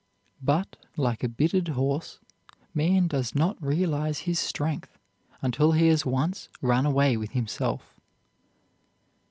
But, like a bitted horse, man does not realize his strength until he has once run away with himself.